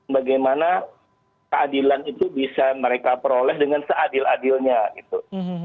bagaimana keadilan itu bisa mereka peroleh dengan seadil adilnya gitu